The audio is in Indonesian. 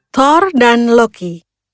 thor dan loki